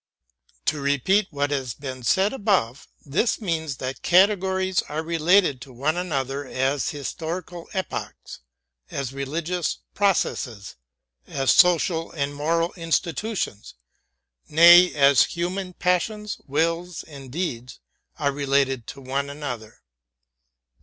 To repeat what has been said above, this means that cate gories are related to one another as historical epochs, as religious processes, as social and moral institutions, nay, as human passions, wills, and deeds are related to one another.